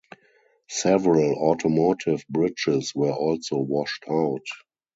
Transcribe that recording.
Several automotive bridges were also washed out.